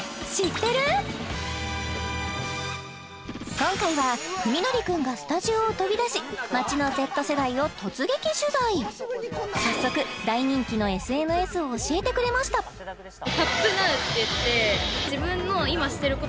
今回は史記君がスタジオを飛び出し街のＺ世代を突撃取材早速大人気のＳＮＳを教えてくれましたええ！